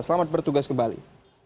selamat bertugas kembali